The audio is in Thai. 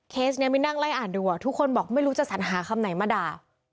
นี้ไม่นั่งไล่อ่านดูทุกคนบอกไม่รู้จะสัญหาคำไหนมาด่า